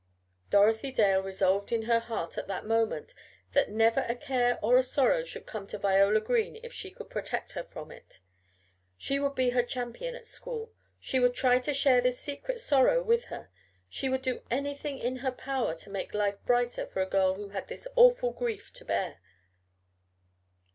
Dorothy Dale resolved in her heart, at that moment, that never a care nor a sorrow should come to Viola Green if she could protect her from it. She would be her champion at school, she would try to share this secret sorrow with her; she would do anything in her power to make life brighter for a girl who had this awful grief to bear.